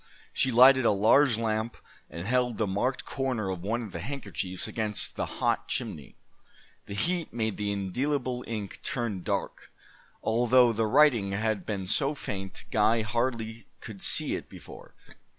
She lighted a large lamp and held the marked corner of one of the handkerchiefs against the hot chimney. The heat made the indelible ink turn dark, although the writing had been so faint Guy hardly could see it before.